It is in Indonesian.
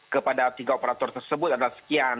kepada tiga operator tersebut adalah sekian